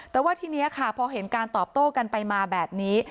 แต่ว่าทีนี้ค่ะพอเห็นการตอบโต้กันไปมาแบบนี้